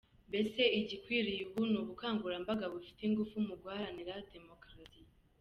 Mbese igikwiriye ubu ni ubukangurambaga bufite ingufu mu guharanira demokarasi.